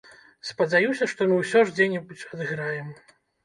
Спадзяюся, што мы ўсё ж дзе-небудзь адыграем.